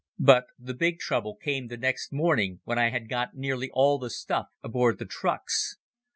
But the big trouble came the next morning when I had got nearly all the stuff aboard the trucks.